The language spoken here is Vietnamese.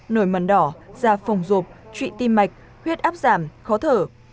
nổi mần đỏ da phòng rộp trụy tim mạch huyết áp giảm khó thở